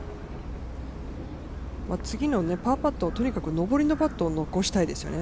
次のパーパットをとにかく上りのパットを残したいですよね。